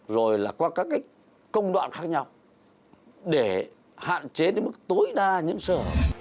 rồi là qua các công đoạn khác nhau để hạn chế đến mức tối đa những sở